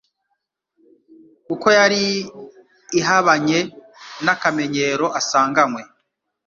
kuko yari ihabanye n'akamenyero asanganywe.